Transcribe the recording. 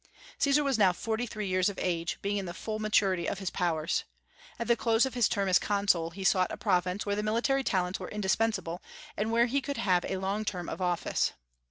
Caesar was now forty three years of age, being in the full maturity of his powers. At the close of his term as Consul he sought a province where military talents were indispensable, and where he could have a long term of office.